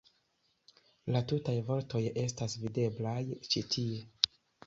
La tutaj vortoj estas videblaj ĉi tie.